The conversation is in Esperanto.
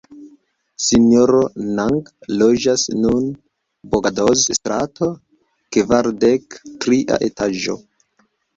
Sinjoro Nang loĝas nun Bogadoz-strato kvardek, tria etaĝo.